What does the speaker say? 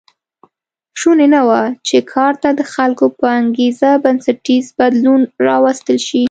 شونې نه وه چې کار ته د خلکو په انګېزه بنسټیز بدلون راوستل شي